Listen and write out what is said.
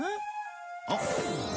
あっ！